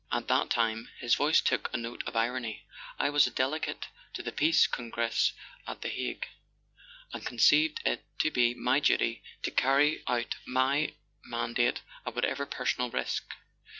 At that time" (his voice took a note of irony) "I was a Delegate to the Peace Congress at the Hague, and conceived it to be my duty to carry out my mandate at whatever personal risk.